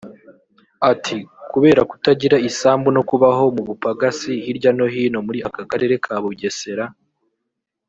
Ati ”Kubera kutagira isambu no kubaho mu bupagasi hirya no hino muri aka karere ka Bugesera